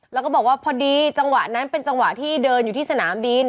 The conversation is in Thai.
แล้วก็บอกว่าพอดีจังหวะนั้นเป็นจังหวะที่เดินอยู่ที่สนามบิน